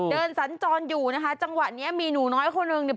สัญจรอยู่นะคะจังหวะเนี้ยมีหนูน้อยคนหนึ่งเนี่ย